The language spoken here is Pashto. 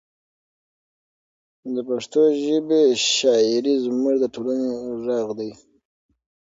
د پښتو ژبې شاعري زموږ د ټولنې غږ دی.